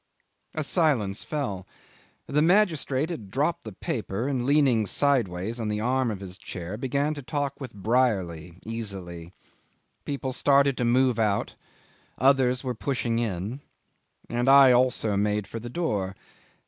A silence fell. The magistrate had dropped the paper, and, leaning sideways on the arm of his chair, began to talk with Brierly easily. People started to move out; others were pushing in, and I also made for the door.